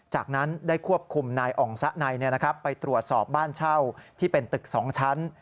จากนั้นได้ควบคุมนายอ่องสะไนไปตรวจสอบบ้านเช่าที่เป็นตึก๒ชั้น